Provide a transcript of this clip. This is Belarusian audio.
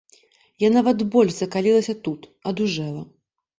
Я нават больш закалілася тут, адужэла.